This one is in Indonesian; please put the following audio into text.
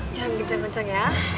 jangan kenceng kenceng ya